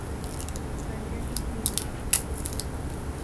Dengeki Hime